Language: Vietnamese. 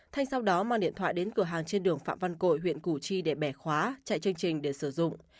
thanh sau đó mang điện thoại đến cửa hàng trên đường phạm văn cội huyện củ chi để bẻ khóa chạy chương trình để sử dụng